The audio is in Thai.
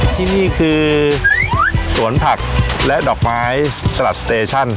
ที่นี่คือสวนผักและดอกไม้สลัดสเตชั่น